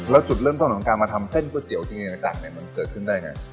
แล้วจุดเริ่มต้นของการมาทำเส้นก๋วเตี๋จีนต่างมันเกิดขึ้นได้ไง